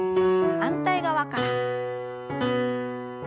反対側から。